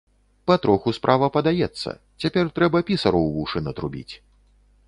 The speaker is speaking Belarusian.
Патроху справа падаецца, цяпер трэба пісару ў вушы натрубіць.